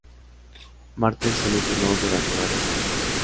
Martel se lesionó durante varios meses.